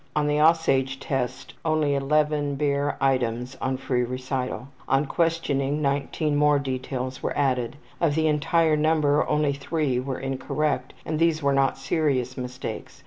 On the ``Aussage'' Test he gave only 11 bare items on free recital. On questioning 19 more details were added. Of the entire number only 3 were incorrect, and these were not serious mistakes.